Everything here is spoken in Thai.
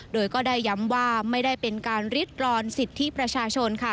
โดยก็ได้ย้ำว่าไม่ได้เป็นการริดรอนสิทธิประชาชน